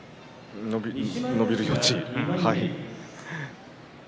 伸びる余地はい。